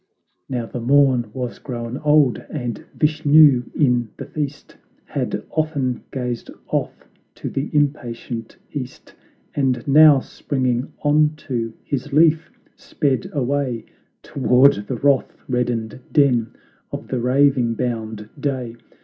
Now the morn was grown old, and Vishnu in the feast Had often gazed off to the impatient East; And now, springing onto his leaf, sped away Toward the wrath reddened den of the raving, bound Day.